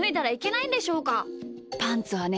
パンツはね